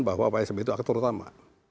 bahwa pak s b itu aktor utama